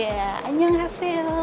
ya anjong hasil